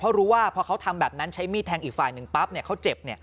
เพราะรู้ว่าพอเขาทำแบบนั้นใช้มีดแทงอีกฝ่ายหนึ่งปั๊บเขาเจ็บ